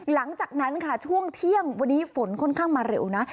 หลังจากนั้นค่ะช่วงเที่ยงวันนี้ฝนค่อนข้างมาเร็วนะ